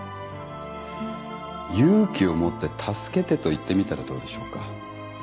勇気を持って「助けて」と言ってみたらどうでしょうか。